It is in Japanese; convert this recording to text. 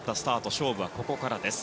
勝負はここからです。